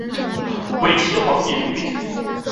伪齐皇帝刘豫之子。